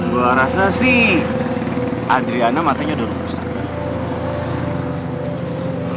gue rasa sih adriana matinya udah rusak